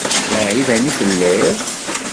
D aɛiban i telliḍ?